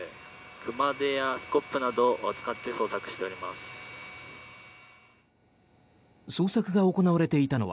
熊手やスコップなどを使って捜索しています。